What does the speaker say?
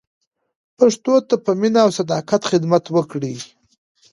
پښتو ته په مینه او صداقت خدمت وکړئ.